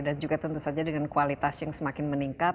dan juga tentu saja dengan kualitas yang semakin meningkat